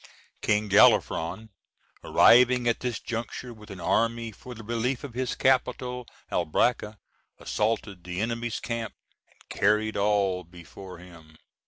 King Galafron, arriving at this juncture with an army for the relief of his capital, Albracca, assaulted the enemy's camp, and carried all before him.